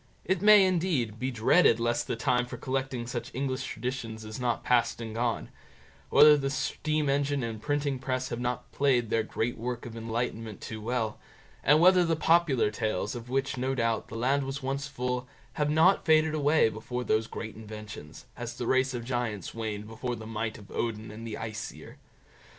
It may, indeed, be dreaded lest the time for collecting such English traditions is not past and gone; whether the steam engine and printing press have not played their great work of enlightenment too well; and whether the popular tales, of which, no doubt, the land was once full, have not faded away before those great inventions, as the race of Giants waned before the might of Odin and the Aesir.